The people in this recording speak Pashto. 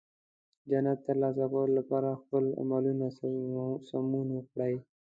د جنت ترلاسه کولو لپاره د خپل عملونو سمون وکړئ.